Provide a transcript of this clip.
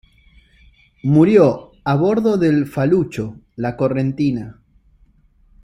Murió a bordo del falucho "La Correntina".